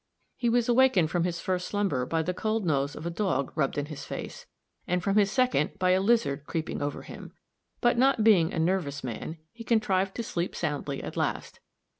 He was awakened from his first slumber by the cold nose of a dog rubbed in his face, and from his second by a lizard creeping over him; but not being a nervous man, he contrived to sleep soundly at last.